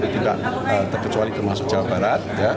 tidak terkecuali termasuk jawa barat